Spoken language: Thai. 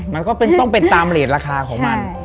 มันก็ต้องเป็นตามเรทราคาของมัน